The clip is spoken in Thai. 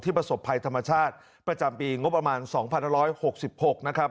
ประสบภัยธรรมชาติประจำปีงบประมาณ๒๑๖๖นะครับ